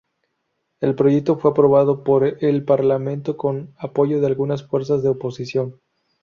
El proyecto fue aprobado por el Parlamento con apoyo de algunas fuerzas de oposición.